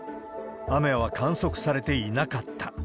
雨は観測されていなかった。